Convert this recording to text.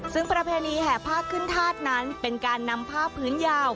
ซึ่งประเพณีแห่ผ้าขึ้นธาตุนั้นเป็นการนำผ้าพื้นยาว